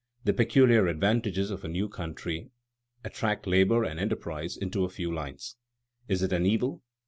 The peculiar advantages of a new country attract labor and enterprise into a few lines. Is it an evil?